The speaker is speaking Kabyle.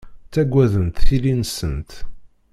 Ttaggadent tili-nsent.